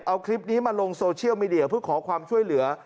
เอาคลิปนี้มาลงโซเชียลมีเดียเพื่อขอความช่วยเหลือ